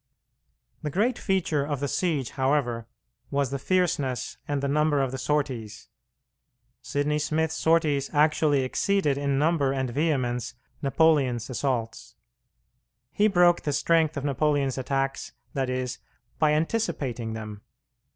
The great feature of the siege, however, was the fierceness and the number of the sorties. Sidney Smith's sorties actually exceeded in number and vehemence Napoleon's assaults. He broke the strength of Napoleon's attacks, that is, by anticipating them.